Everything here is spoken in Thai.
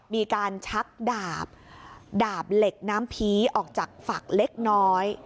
มีการชักดาบดาบเหล็กน้ำผีออกจากฝักเล็กน้อย